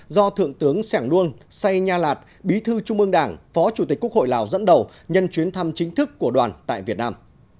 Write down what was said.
do thượng tướng sẻng luông say nha lạt bí thư trung ương đảng phó chủ tịch quốc hội lào dẫn đầu nhân chuyến thăm chính thức của đoàn tại việt nam